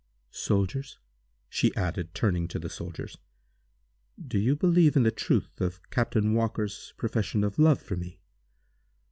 "Soldiers," she added, turning to the soldiers, "do you believe in the truth of Captain Walker's profession of love for me?"